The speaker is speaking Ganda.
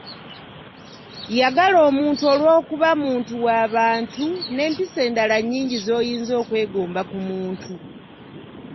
Yagala omuntu olw'okuba muntu wa mu bantu, n'empisa endala nnyingi z'oyinza okwegomba ku muntu.